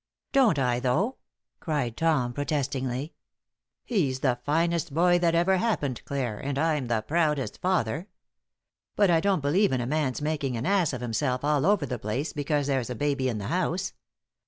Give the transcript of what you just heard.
"Don't I, though?" cried Tom, protestingly. "He's the finest boy that ever happened, Clare, and I'm the proudest father. But I don't believe in a man's making an ass of himself all over the place because there's a baby in the house.